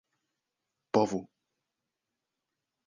povu